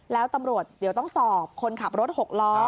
แล้วตำรวจเดี๋ยวต้องสอบคนขับรถ๖ล้อ